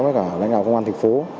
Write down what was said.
với cả lãnh đạo công an thị phố